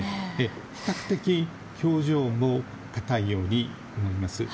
比較的表情も硬いように思います。